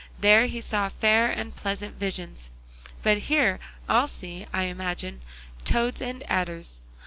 There he saw fair and pleasant visions, but here I'll see, I imagine, toads and adders.